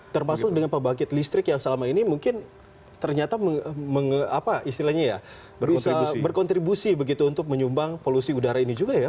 termasuk dengan pembangkit listrik yang selama ini mungkin ternyata berkontribusi begitu untuk menyumbang polusi udara ini juga ya